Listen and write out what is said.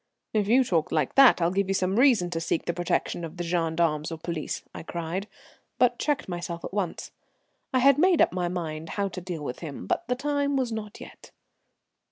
"If you talk like that I'll give you some reason to seek the protection of the gendarmes or police," I cried, but checked myself at once. I had made up my mind how to deal with him, but the time was not yet.